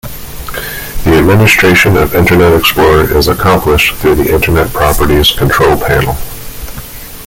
The administration of Internet Explorer is accomplished through the Internet Properties control panel.